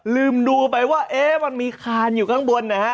ลืมดูไปว่ามีคานอยู่ข้างบนนะครับ